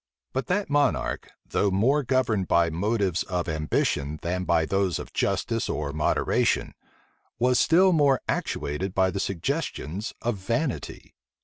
But that monarch, though more governed by motives of ambition than by those of justice or moderation, was still more actuated by the suggestions of vanity.